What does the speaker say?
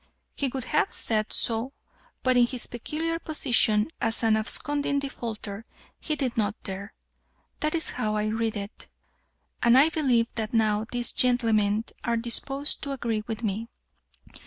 He would have said so, but in his peculiar position as an absconding defaulter he did not dare. That is how I read it, and I believe that now these gentlemen are disposed to agree with me."